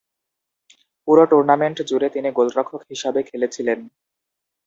পুরো টুর্নামেন্ট জুড়ে তিনি গোলরক্ষক হিসাবে খেলেছিলেন।